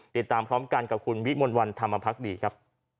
ติดตามพร้อมกันกับคุณวิมลวันธรรมพักดีครับ